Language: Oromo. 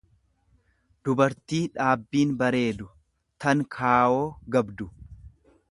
dubartii dhaabbiin bareedu, tan kaawoo gabdu.